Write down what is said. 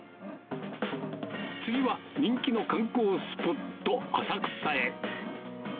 次は、人気の観光スポット、浅草へ。